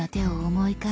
はい！